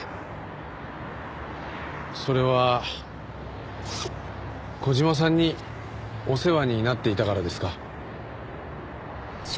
それは小島さんにお世話になっていたからですか？